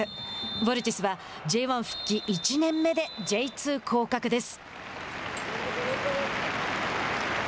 ヴォルティスはＪ１復帰１年目でＪ２降格です。